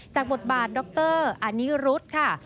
จากบทบาทดรอานีรุธค่ะ